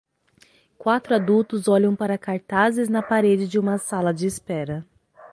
Quatro adultos olham para cartazes na parede de uma sala de espera.